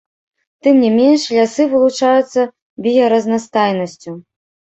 Тым не менш, лясы вылучаюцца біяразнастайнасцю.